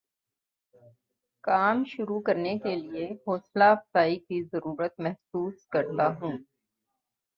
کام شروع کرنے کے لیے حوصلہ افزائی کی ضرورت محسوس کرتا ہوں